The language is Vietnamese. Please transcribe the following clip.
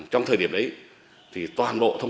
cũng như các bạn bè người thân